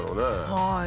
はい。